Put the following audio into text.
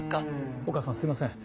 お義母さんすいません。